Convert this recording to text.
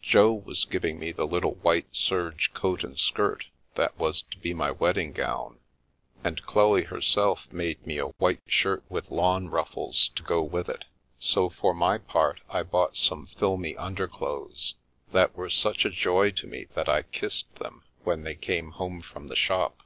Jo was giving me the little white serge coat and skirt that was to be my wedding gown, and Chloe herself made me a white shirt with lawn ruffles to go with it, so, for my part, I bought some filmy un derclothes, that were such a joy to me that I kissed them when they came home from the shop.